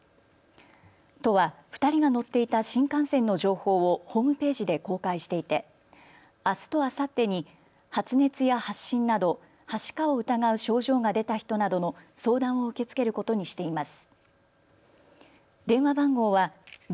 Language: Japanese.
都は２人が乗っていた新幹線の情報をホームページで公開していて、あすとあさってに発熱や発疹など、はしかを疑う症状が出た人などの相談を受け付けることにしています。